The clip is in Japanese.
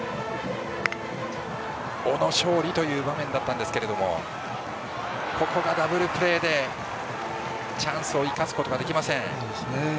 小野勝利という場面だったんですけれどもここがダブルプレーでチャンスを生かすことができません。